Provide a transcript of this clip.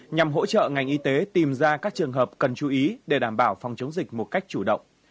nhằm hỗ trợ ngành y tế tìm ra các trường hợp cần chú ý để đảm bảo phòng chống dịch một cách chủ động